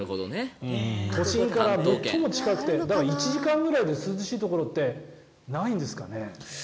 都心から最も近くてだから１時間ぐらいで涼しいところってないんですかね？